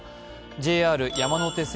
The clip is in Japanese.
ＪＲ山手線せ